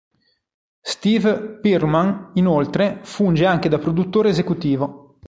Steve Pearlman, inoltre, funge anche da produttore esecutivo.